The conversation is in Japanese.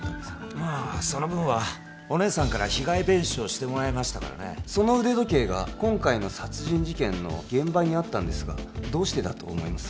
まあその分はお姉さんから被害弁償してもらいましたからねその腕時計が今回の殺人事件の現場にあったんですがどうしてだと思います？